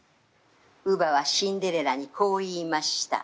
乳母はシンデレラにこう言いました。